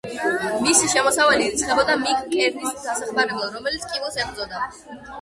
მისი შემოსავალი ირიცხებოდა მიკ კერნის დასახმარებლად, რომელიც კიბოს ებრძოდა.